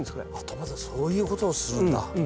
トマトそういうことをするんだ。